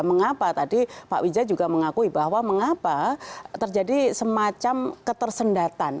mengapa tadi pak widja juga mengakui bahwa mengapa terjadi semacam ketersendatan